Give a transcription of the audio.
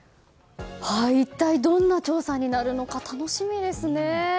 一体どんな調査になるのか楽しみですね。